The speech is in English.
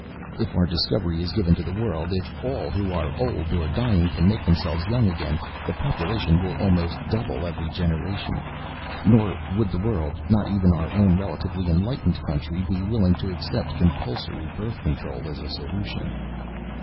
"If our discovery is given to the world, if all who are old or dying can make themselves young again, the population will almost double every generation. Nor would the world not even our own relatively enlightened country be willing to accept compulsory birth control as a solution.